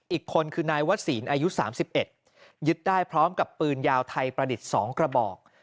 อีกคนคือนายวศีลอายุ๓๑ยึดได้พร้อมกับปืนยาวไทยประดิษฐ์๒กระบอก